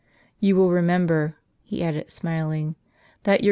You will remember," he added, smiling, " that your good * A.